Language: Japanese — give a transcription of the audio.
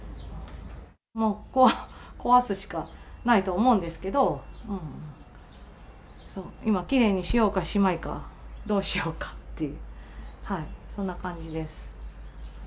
もうここは壊すしかないと思うんですけど、今、きれいにしようかしまいか、どうしようかっていう、そんな感じです。